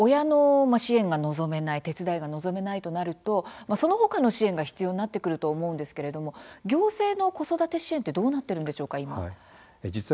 親の支援が望めない手伝いが望めないとなるとそのほかの支援が大切になってると思いますが行政の子育て支援はどうなっていますか。